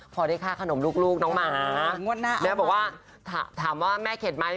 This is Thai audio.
พอได้ค่าขนมลูกน้องหมาแม่บอกว่าถามว่าแม่เข็ดไหม